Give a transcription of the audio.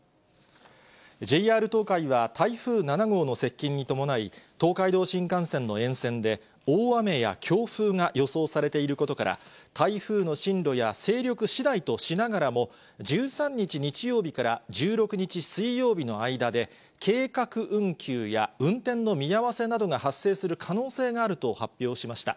ＪＲ東海は台風７号の接近に伴い、東海道新幹線の沿線で、大雨や強風が予想されていることから、台風の進路や勢力しだいとしながらも、１３日日曜日から１６日水曜日の間で、計画運休や運転の見合わせなどが発生する可能性があると発表しました。